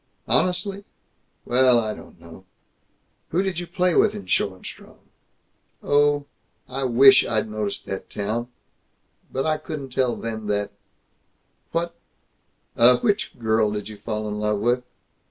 "Honestly? Well I don't know " "Who did you play with in Schoenstrom? Oh, I wish I'd noticed that town. But I couldn't tell then that What, uh, which girl did you fall in love with?"